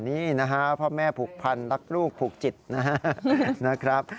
นี่นะฮะพ่อแม่ผูกพันรักลูกผูกจิตนะครับ